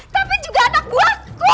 tapi juga anak buahku